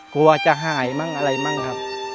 กลัวจะหายมั่งอะไรมั่งครับ